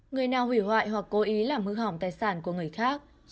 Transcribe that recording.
người nào hủy hoại hoặc cố ý làm hư hỏng tài sản của người khác